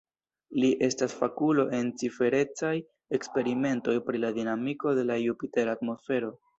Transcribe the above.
Li estas fakulo en ciferecaj eksperimentoj pri la dinamiko de la jupitera atmosfero.